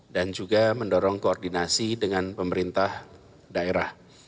dan juga mendorong koordinasi dengan pemerintah daerah